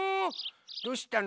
どうしたの？